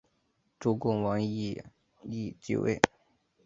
周共王繄扈继位。